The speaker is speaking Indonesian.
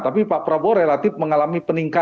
tapi pak prabowo relatif mengalami peningkatan